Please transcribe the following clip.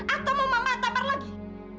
atau mau mama atapar lagi